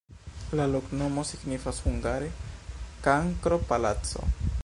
La loknomo signifas hungare: kankro-palaco.